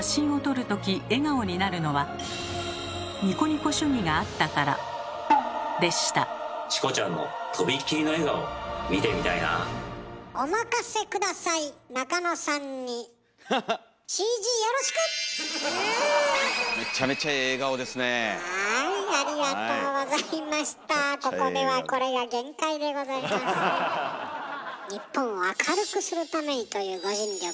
日本を明るくするためにというご尽力でしたもんね。